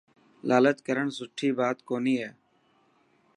لالچ ڪرڻ سٺي بات ڪونهي.